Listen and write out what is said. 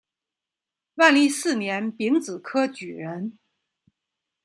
万历四年丙子科举人。